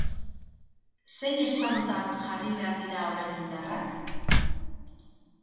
Zein esparrutan jarri behar dira orain indarrak?